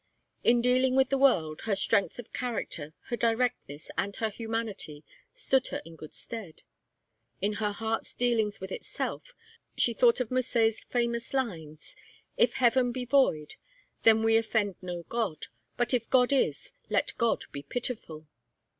In dealing with the world, her strength of character, her directness and her humanity stood her in good stead. In her heart's dealings with itself, she thought of Musset's famous lines 'If Heaven be void, then we offend no God. But if God is, let God be pitiful!